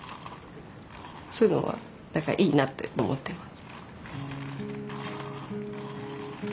そういうのは何かいいなって思ってます。